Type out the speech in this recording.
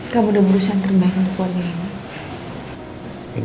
kamu udah berusaha terbaik untuk buat dirimu